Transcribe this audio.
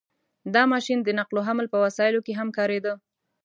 • دا ماشین د نقل او حمل په وسایلو کې هم کارېده.